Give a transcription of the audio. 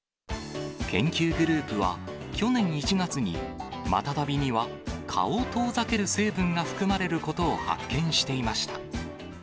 研究グループは、去年１月にまたたびには蚊を遠ざける成分が含まれることを発見していました。